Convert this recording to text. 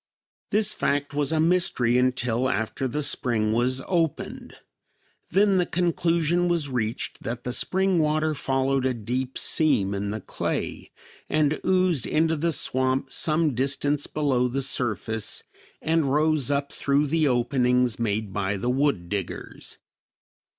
This fact was a mystery until after the spring was opened; then the conclusion was reached that the spring water followed a deep seam in the clay and oozed into the swamp some distance below the surface and rose up through the openings made by the wood diggers.